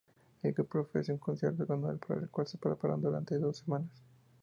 El grupo ofrece un concierto anual, para el cual se preparan durante dos semanas.